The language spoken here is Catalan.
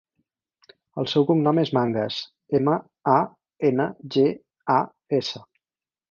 El seu cognom és Mangas: ema, a, ena, ge, a, essa.